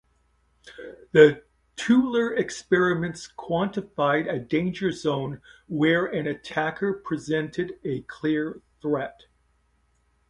The Tueller experiments quantified a "danger zone" where an attacker presented a clear threat.